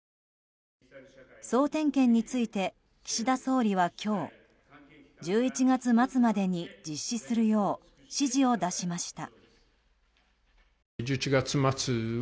総点検について、岸田総理は今日１１月末までに実施するよう指示を出しました。